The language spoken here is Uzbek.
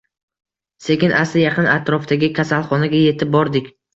Sekin-asta yaqin atrofdagi kasalxonaga etib bordik